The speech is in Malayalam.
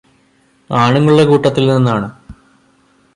ആണുങ്ങളുടെ കൂട്ടത്തിൽ നിന്നാണ്